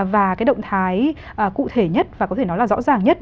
và cái động thái cụ thể nhất và có thể nói là rõ ràng nhất